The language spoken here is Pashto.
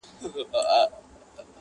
• د همدې چوخې په زور لنګرچلیږي -